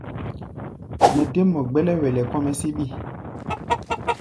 Mɛ dé mɔ gbɛ́lɛ́wɛlɛ kɔ́-mɛ́ síɓí.